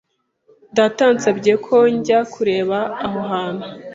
Data yansabye ko njya kureba aho hantu.